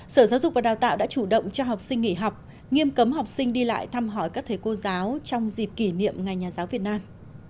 sở giáo dục và đào tạo đã chủ động cho học sinh nghỉ học nghiêm cấm học sinh đi lại thăm hỏi các thầy cô giáo trong dịp kỷ niệm ngày nhà giáo việt nam